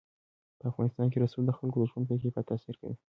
په افغانستان کې رسوب د خلکو د ژوند په کیفیت تاثیر کوي.